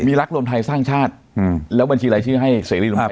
มีรักรวมไทยสร้างชาติแล้วบัญชีรายชื่อให้เสรีรวม